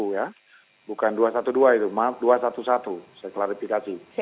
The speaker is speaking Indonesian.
dua satu satu ya bukan dua satu dua itu maaf dua satu satu saya klarifikasi